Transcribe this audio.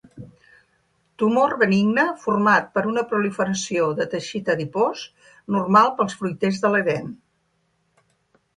Tumor benigne format per una proliferació de teixit adipós normal pels fruiters de l'Edèn.